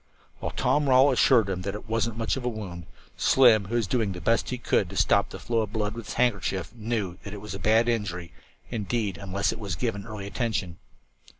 While Tom Rawle assured him that it "wasn't much of a wound," Slim, who was doing the best he could to stop the flow of blood with his handkerchief, knew that it was a bad injury, indeed, unless it was given early attention.